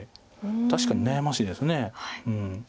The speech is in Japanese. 確かに悩ましいです。